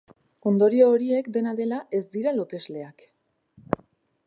Ondorio horiek, dena dela, ez dira lotesleak.